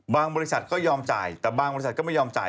บริษัทก็ยอมจ่ายแต่บางบริษัทก็ไม่ยอมจ่าย